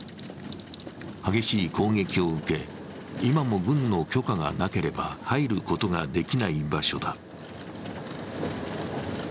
激しい攻撃を受け、今も軍の許可がなければ入ることができない場所だ。